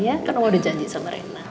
ya kan oma udah janji sama rena